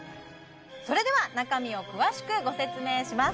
それでは中身を詳しくご説明します